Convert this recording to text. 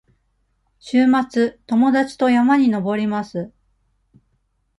週末、友達と山に登ります。